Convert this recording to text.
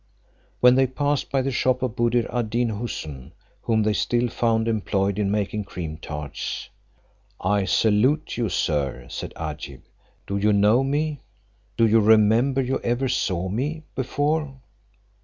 When they passed by the shop of Buddir ad Deen Houssun, whom they still found employed in making cream tarts, "I salute you sir," said Agib; "do you know me? Do you remember you ever saw me before?"